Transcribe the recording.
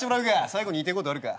最後に言いてえことあるか？